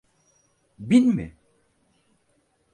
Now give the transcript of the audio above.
Bin mi?